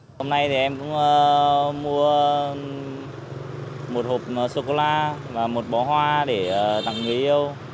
hôm nay thì em cũng mua một hộp chocolate và một bó hoa để tặng người yêu